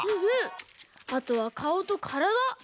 あとはかおとからだ。